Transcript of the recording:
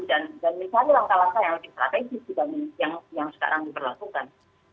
dan misalnya langkah langkah yang lebih strategis juga yang sekarang diperlakukan